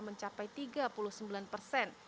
mencapai tiga puluh sembilan persen